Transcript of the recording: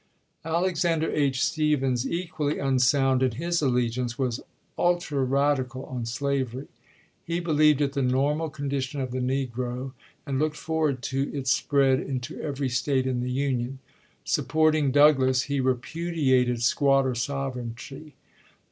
Alexander H. Stephens, equally unsound in his allegiance, was ultra radical on slavery. He believed it the normal condition of the negro, and looked forward to its spread into every State in the Union. Supporting Douglas, he repudiated " Squatter Sovereignty."